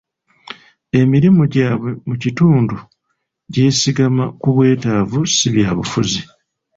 Emirimu gyabwe mu kitundu gyesigama ku bwetaavu si bya bufuzi.